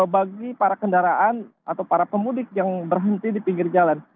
bagi para kendaraan atau para pemudik yang berhenti di pinggir jalan